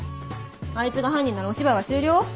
あいつが犯人ならお芝居は終了？